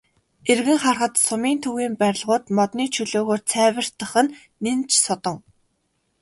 Эргэн харахад сумын төвийн барилгууд модны чөлөөгөөр цайвартах нь нэн ч содон.